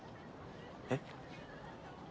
えっ？